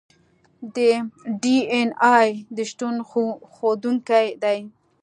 د ډي این اې د شتون ښودونکي دي.